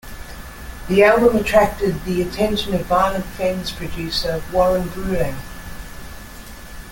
The album attracted the attention of Violent Femmes producer, Warren Bruleigh.